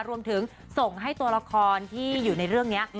รวมถึงส่งให้ตัวละครที่อยู่ในเรื่องนี้